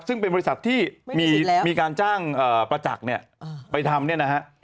ซึ่งเป็นบริษัทที่มีการจ้างประจักษ์ไปทำ